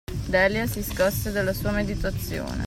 Delia si scosse dalla sua meditazione.